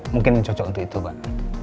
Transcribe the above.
mungkin cocok untuk itu pak